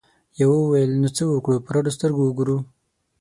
یوه وویل نو څه وکړو په رډو سترګو وګورو؟